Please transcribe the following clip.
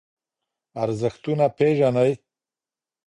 ارزښتونه پېژنئ.